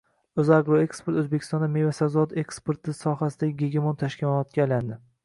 «O‘zagroeksport» O‘zbekistonda meva-sabzavot eksporti sohasidagi gegemon tashkilotga aylandi.